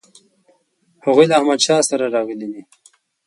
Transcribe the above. هغوی له احمدشاه سره راغلي دي.